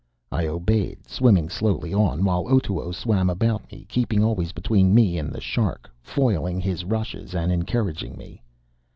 I obeyed, swimming slowly on, while Otoo swam about me, keeping always between me and the shark, foiling his rushes and encouraging me.